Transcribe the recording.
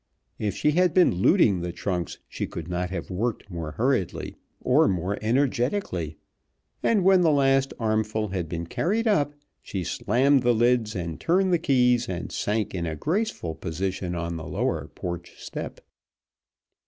If she had been looting the trunks she could not have worked more hurriedly, or more energetically, and when the last armful had been carried up she slammed the lids and turned the keys, and sank in a graceful position on the lower porch step.